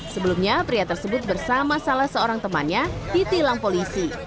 sebelumnya pria tersebut bersama salah seorang temannya ditilang polisi